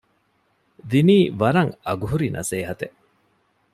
ދިނީ ވަރަށް އަގުހުރި ނަސޭހަތެއް